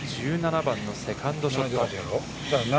１７番のセカンドショット。